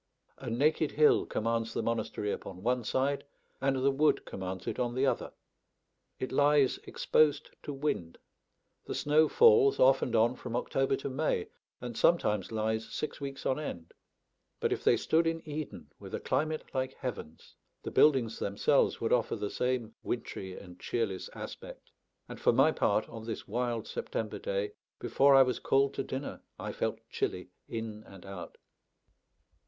A naked hill commands the monastery upon one side, and the wood commands it on the other. It lies exposed to wind; the snow falls off and on from October to May, and sometimes lies six weeks on end; but if they stood in Eden with a climate like heaven's, the buildings themselves would offer the same wintry and cheerless aspect; and for my part, on this wild September day, before I was called to dinner, I felt chilly in and out.